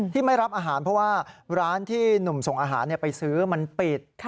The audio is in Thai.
ไม่รับอาหารเพราะว่าร้านที่หนุ่มส่งอาหารไปซื้อมันปิด